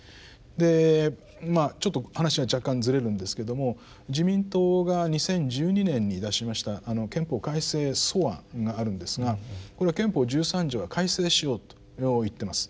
でまあちょっと話は若干ずれるんですけども自民党が２０１２年に出しました憲法改正草案があるんですがこれは憲法十三条は改正しようと言っています。